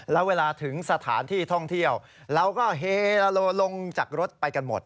แล้วเวลาถึงสถานที่ท่องเที่ยวเราก็เฮลาโลลงจากรถไปกันหมด